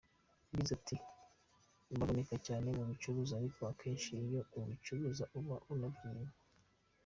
Yagize ati “Baboneka cyane mu kubicuruza ariko akenshi iyo ubicururuza uba unabinywa.